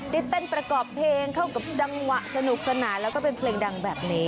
จิ๊สเต้นประกอบเพลงเข้ากับจังหวะสนุกสนาและเป็นเปลงดัง